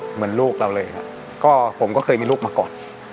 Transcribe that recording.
เหมือนลูกเราเลยครับก็ผมก็เคยมีลูกมาก่อน